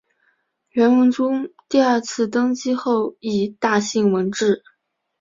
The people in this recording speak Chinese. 元文宗第二次登基后亦大兴文治。